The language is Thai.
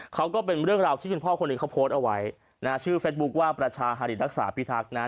ก็เป็นเรื่องราวที่คุณพ่อคนหนึ่งเขาโพสต์เอาไว้นะฮะชื่อเฟสบุ๊คว่าประชาฮิตรักษาพิทักษ์นะฮะ